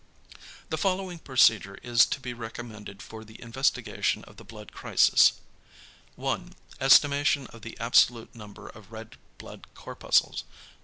The following procedure is to be recommended for the investigation of the blood crisis: 1. Estimation of the absolute number of red blood corpuscles.